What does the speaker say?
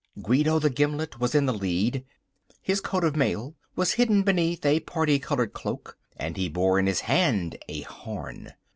Guido the Gimlet was in the lead. His coat of mail was hidden beneath a parti coloured cloak and he bore in his hand a horn.